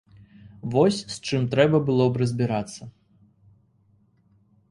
Вось з чым трэба было б разбірацца.